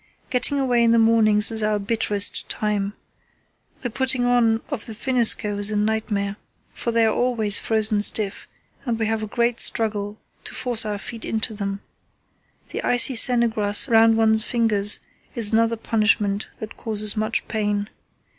Getting away in the mornings is our bitterest time. The putting on of the finneskoe is a nightmare, for they are always frozen stiff, and we have a great struggle to force our feet into them. The icy sennegrass round one's fingers is another punishment that causes much pain.